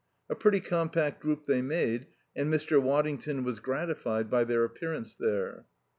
A pretty compact group they made, and Mr. Waddington was gratified by their appearance there.